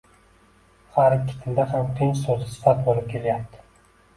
Har ikki tilda ham tinch soʻzi sifat boʻlib kelyapti